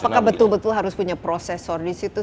apakah betul betul harus punya prosesor di situ